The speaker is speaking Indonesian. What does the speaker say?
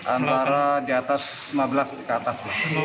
antara di atas lima belas ke atas